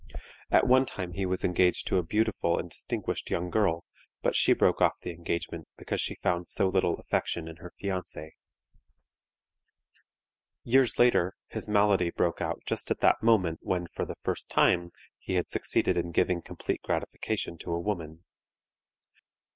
At one time he was engaged to a beautiful and distinguished young girl, but she broke off the engagement because she found so little affection in her fiancé. Years later his malady broke out just at that moment when for the first time he had succeeded in giving complete gratification to a woman.